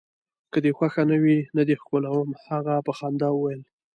که دي خوښه نه وي، نه دي ښکلوم. هغه په خندا وویل.